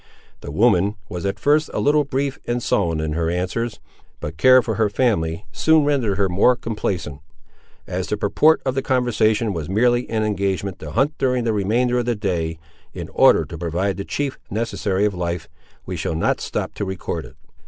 The woman was at first a little brief and sullen in her answers, but care for her family soon rendered her more complaisant. As the purport of the conversation was merely an engagement to hunt during the remainder of the day, in order to provide the chief necessary of life, we shall not stop to record it.